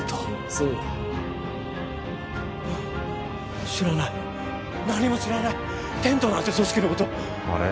そうだ知らない何も知らないテントなんて組織のことあれ？